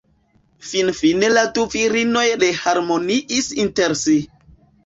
Finfine la du virinoj reharmoniis inter si.